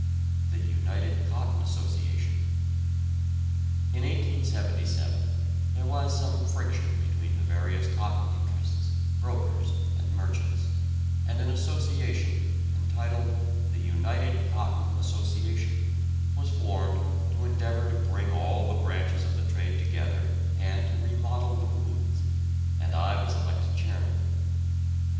THE UNITED COTTON ASSOCIATION. In 1877 there was some friction between the various cotton interests, brokers, and merchants, and an association entitled "The United Cotton Association" was formed to endeavour to bring all the branches of the trade together and to remodel the rules, and I was elected chairman.